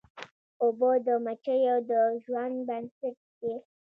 اوبه د مچیو د ژوند بنسټ دي.